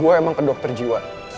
gue emang ke dokter jiwa